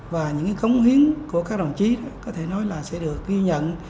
và những cống hiến của các đồng chí có thể nói là sẽ được ghi nhận